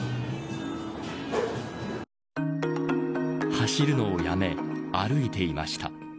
走るのをやめ、歩いていました。